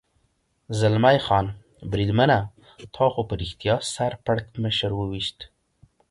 زلمی خان: بریدمنه، تا خو په رښتیا سر پړکمشر و وېشت.